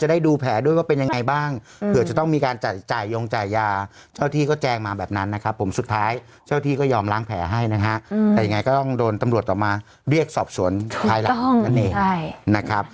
แต่ยังไงก็ต้องโดนตำรวจออกมาเรียกสอบสวนภายหลักกันเอง